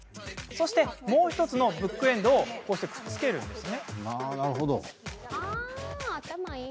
そしてもう１つのブックエンドをくっつけるんです。